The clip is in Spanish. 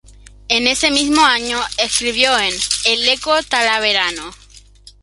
En ese mismo año escribió en "El Eco Talaverano".